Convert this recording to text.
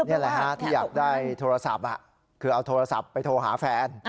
นี่แหละฮะที่อยากได้โทรศัพท์คือเอาโทรศัพท์ไปโทรหาแฟน